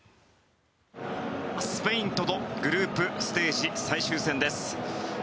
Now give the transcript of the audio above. スペインとのグループステージ最終戦です。